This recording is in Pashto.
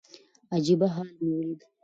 عجيبه حال مو وليد .